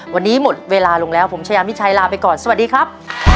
วันนี้หมดเวลาลงแล้วผมชายามิชัยลาไปก่อนสวัสดีครับ